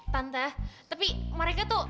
tante tapi mereka tuh